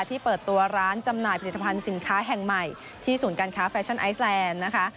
ที่เปิดตัวร้านจำหน่ายผลิตภัณฑ์สินค้าแห่งใหม่ที่ศูนย์การค้าแฟชั่นไอซแลนด์นะคะ